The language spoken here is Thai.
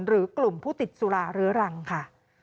หรือกลุ่มผู้ติดสุราเรื้อรังค่ะ